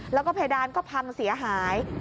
แล้วก็เพดานก็พังเสียหาย